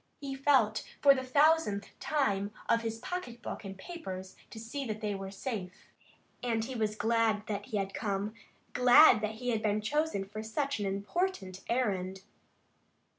He felt for the thousandth time of his pocket book and papers to see that they were safe, and he was glad that he had come, glad that he had been chosen for such an important errand.